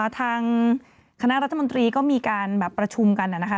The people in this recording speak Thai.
ทางคณะรัฐมนตรีก็มีการประชุมกัน